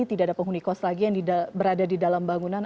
tidak ada penghuni kos lagi yang berada di dalam bangunan